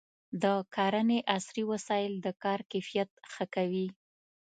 د کرنې عصري وسایل د کار کیفیت ښه کوي.